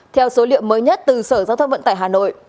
theo số liệu mới nhất từ sở giao thông vận tải hà nội